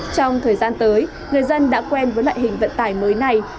trong thời gian tới người dân đã quen với loại hình vận tải mới này